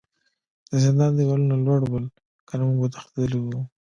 د زندان دیوالونه لوړ ول کنه موږ به تښتیدلي وای